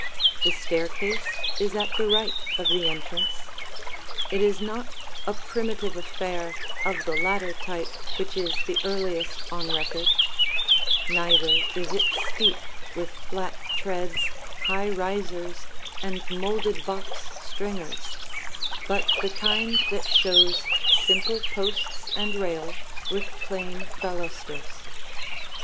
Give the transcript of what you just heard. The staircase is at the right of the' entrance. It is not a primitive affair of the ladder type which is the earliest on record; neither is it steep with flat treads, high risers and molded box stringers, but the kind that shows simple posts and rail with plain balusters.